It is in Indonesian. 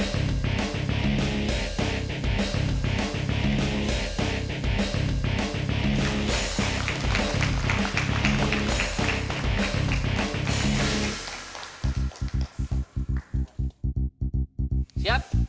siap siap siap